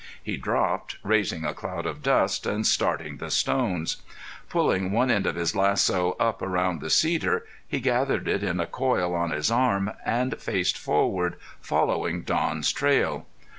He dropped, raising a cloud of dust, and starting the stones. Pulling one end of his lasso up around the cedar he gathered it in a coil on his arm and faced forward, following Don's trail.